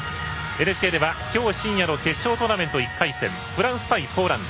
ＮＨＫでは今日深夜の決勝トーナメント１回戦フランス対ポーランド。